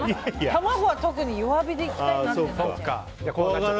卵は特に弱火でいきたいなって。